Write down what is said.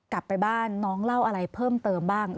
กลับไปบ้านน้องเล่าอะไรเพิ่มเติมบ้าง